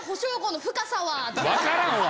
分からんわ！